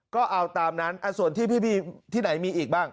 ก็เอาตามนั้นส่วนที่พี่ที่ไหนมีอีกบ้าง